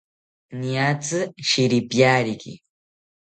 Niatzi shiripiyariki